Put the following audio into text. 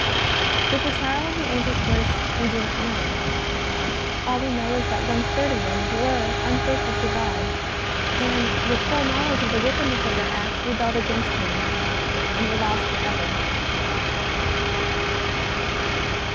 ^Vhat the trial of the Angels was we do not know. All we know is that one third of them were unfaithful to God, and, with full knowledge of the wickedness of their act, rebelled against Him and were lost forever.